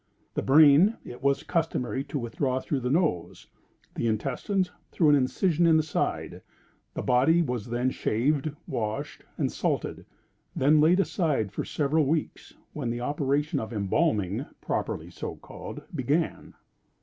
The brain it was customary to withdraw through the nose; the intestines through an incision in the side; the body was then shaved, washed, and salted; then laid aside for several weeks, when the operation of embalming, properly so called, began.